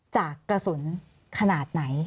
จากกระสุนขนาดไหน